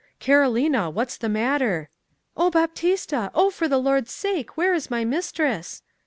'Carolina! What's the matter?' 'O Baptista! O, for the Lord's sake! where is my mistress?